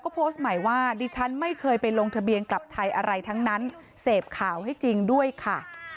ก็โพสต์ใหม่ว่าดิฉันไม่เคยไปลงทะเบียนกลับไทยอะไรทั้งนั้นเสพข่าวให้จริงด้วยค่ะ